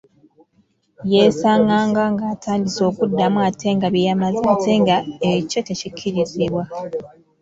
Yeesanganga ng’atandise okuddamu ate bye yamaze ate ng’ekyo tekikkirizibwa.